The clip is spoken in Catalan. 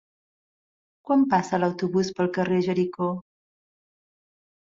Quan passa l'autobús pel carrer Jericó?